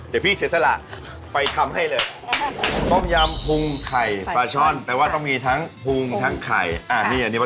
สีสัดน่ากินแล้วจะบอกว่ามองเหมือนแห้งนะ